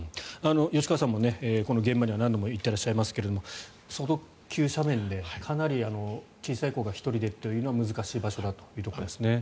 吉川さんも、この現場には何度も行っていらっしゃいますが相当急斜面でかなり小さい子が１人でというのは難しい場所だということですね。